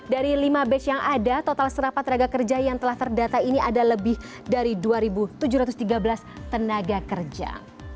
dari lima batch yang ada total serapan tenaga kerja yang telah terdata ini ada lebih dari dua tujuh ratus tiga belas tenaga kerja